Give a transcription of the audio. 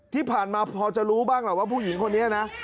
ที่ผ่านมาพอจะรู้บ้างแหละว่าผู้หญิงคนนี้นะ